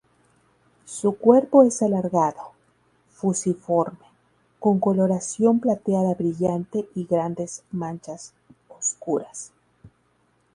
Su cuerpo es alargado, fusiforme, con coloración plateada brillante y grandes manchas oscuras.